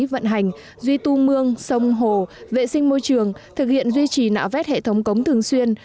vận hành duy tu mương sông hồ vệ sinh môi trường thực hiện duy trì nạo vét hệ thống cống thường xuyên